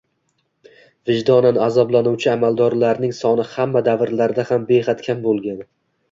vijdonan azoblanuvchi amaldorlarning soni hamma davrlarda ham behad kam bo’lgan.